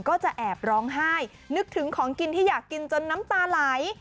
ก็จะแอบร้องไห้นึกถึงของกินที่อยากกินจนน้ำตาไหล